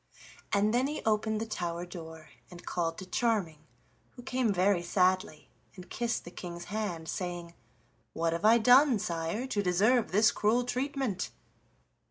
And then he opened the tower door and called to Charming, who came very sadly and kissed the King's hand, saying: "What have I done, sire, to deserve this cruel treatment?"